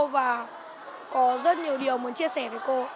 và có rất nhiều điều muốn chia sẻ với cô